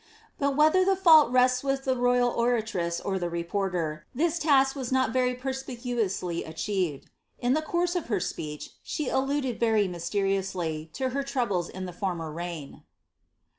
^ But vhether the fault rests with the royal oratress or the reporter, this task »« not very perspicuously achieved. In the course of her speech, she lauded very mysteriously, to her troubles in the former reign.